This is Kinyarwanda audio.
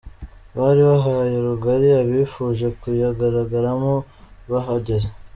Bari bahaye rugari abifuje kuyagaragaramo bahageze.